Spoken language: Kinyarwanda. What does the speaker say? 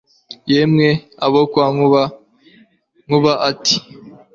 Yemwe abo kwa Nkuba Nkuba ati «